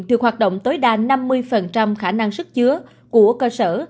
được hoạt động tối đa năm mươi khả năng sức chứa của cơ sở